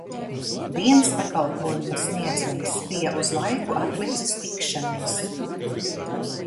Viens pakalpojuma sniedzējs bija uz laiku atlicis tikšanos.